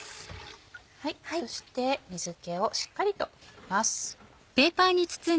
そして水気をしっかりと取ります。